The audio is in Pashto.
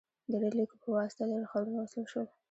• د ریل لیکو په واسطه لرې ښارونه وصل شول.